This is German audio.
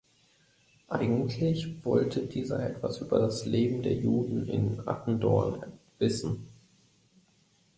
Eigentlich wollte dieser etwas über das Leben der Juden in Attendorn wissen.